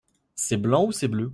C’est blanc ou c’est bleu ?